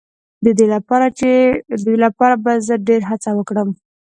د دې لپاره به زه ډېر هڅه وکړم.